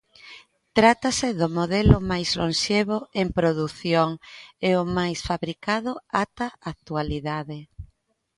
Trátase do modelo máis lonxevo en produción e o máis fabricado ata a actualidade.